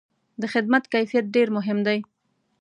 د خدمت کیفیت ډېر مهم دی.